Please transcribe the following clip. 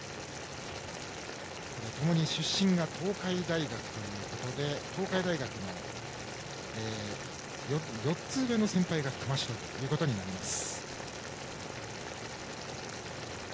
ともに出身が東海大学ということで東海大学の４つ上の先輩が熊代となります。